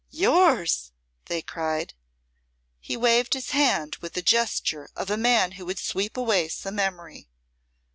"Yours!" they cried. He waved his hand with the gesture of a man who would sweep away some memory.